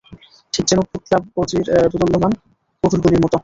ঠিক যেন পুৎলাবজির দোদুল্যমান পুতুলগুলি মতো।